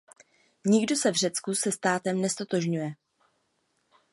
Nikdo se v Řecku se státem neztotožňuje.